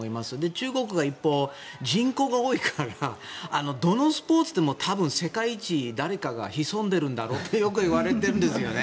中国が一方、人口が多いからどのスポーツでも多分、世界一誰かが潜んでいるんだろうとよく言われているんですよね。